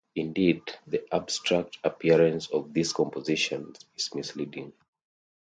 Indeed, the abstract appearance of these compositions is misleading.